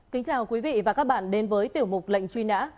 kính chào quý vị và các bạn đến với tiểu mục lệnh truy nã